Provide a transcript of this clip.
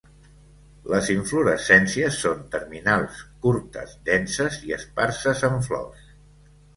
Les inflorescències són terminals, curtes, denses i esparses en flors.